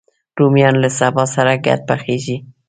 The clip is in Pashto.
رومیان له سابه سره ګډ پخېږي